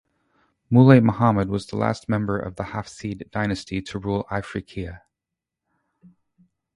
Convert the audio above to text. Moulay Muhammad was the last member of the Hafsid dynasty to rule Ifriqiya.